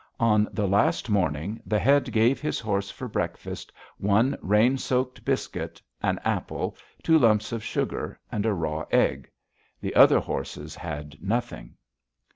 On the last morning, the Head gave his horse for breakfast one rain soaked biscuit, an apple, two lumps of sugar, and a raw egg. The other horses had nothing.